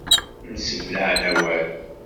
Mseblaɛen awal.